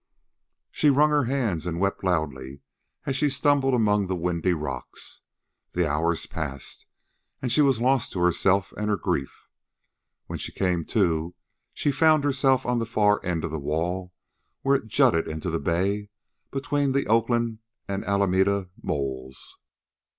She wrung her hands and wept loudly as she stumbled among the windy rocks. The hours passed, and she was lost to herself and her grief. When she came to she found herself on the far end of the wall where it jutted into the bay between the Oakland and Alameda Moles.